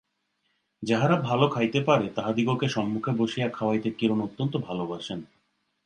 যাহারা ভালো খাইতে পারে, তাহাদিগকে সম্মুখে বসিয়া খাওয়াইতে কিরণ অত্যন্ত ভালোবাসেন।